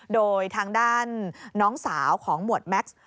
โดยทางด้านน้องสาวของหมวดแม็กซ์